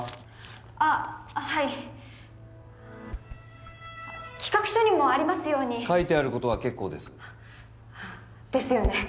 あっはい企画書にもありますように書いてあることは結構ですですよね